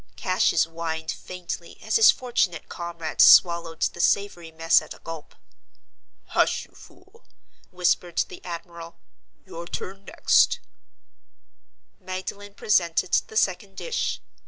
Cassius whined faintly as his fortunate comrade swallowed the savory mess at a gulp. "Hush! you fool," whispered the admiral. "Your turn next!" Magdalen presented the second dish.